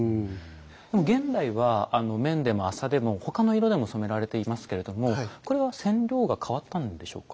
でも現代は綿でも麻でも他の色でも染められていますけれどもこれは染料が変わったんでしょうか？